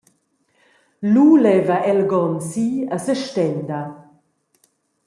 Lu leva Elgon si e sestenda.